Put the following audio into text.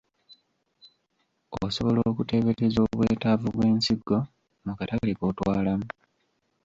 Osobola okuteebereza obwetaavu bw’ensigo mu katale k’otwalamu?